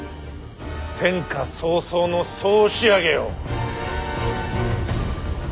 天下草創の総仕上げよ。